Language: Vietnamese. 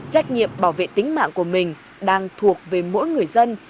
trách nhiệm bảo vệ tính mạng của mình đang thuộc về mỗi người dân